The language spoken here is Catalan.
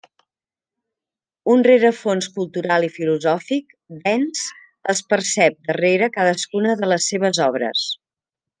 Un rerefons cultural i filosòfic dens es percep darrere cadascuna de les seves obres.